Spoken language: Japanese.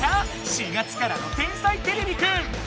４月からの「天才てれびくん」！